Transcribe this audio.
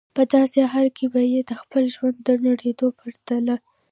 په داسې حال کې به یې د خپل ژوند د نړېدو پرته.